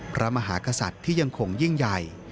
พระมหากษัตริย์ที่ยังคงยิ่งใหญ่